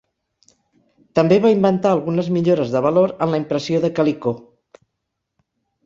També va inventar algunes millores de valor en la impressió de calicó.